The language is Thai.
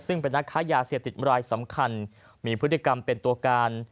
ซึ่งเป็นนักค้ายาเสพติดรายสำคัญมีพฤติกรรมเป็นตัวการ